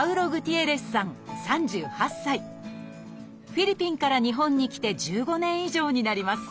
フィリピンから日本に来て１５年以上になります